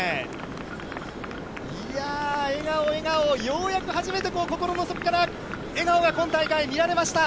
いやぁ、笑顔、笑顔、ようやく初めて心の底から笑顔が今大会、見られました。